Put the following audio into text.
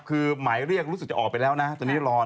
คือหมายเรียกรู้สึกจะออกไปแล้วนะตอนนี้รอ